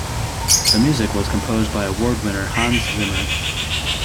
The music was composed by award winner Hans Zimmer.